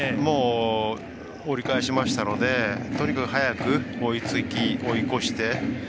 折り返しましたのでとにかく早く追いつき追い越して。